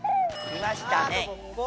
来ましたね。